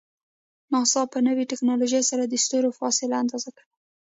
ناسا په نوی ټکنالوژۍ سره د ستورو فاصله اندازه کوي.